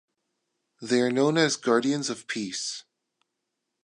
They are known as "Guardians of Peace".